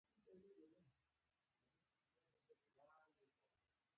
ګلداد خان په پګړۍ لاس وواهه ور غږ یې کړل.